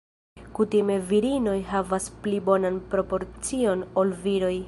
Kutime virinoj havas pli bonan proporcion ol viroj.